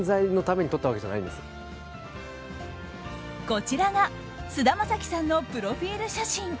こちらが菅田将暉さんのプロフィール写真。